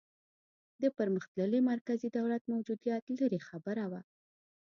د پرمختللي مرکزي دولت موجودیت لرې خبره وه.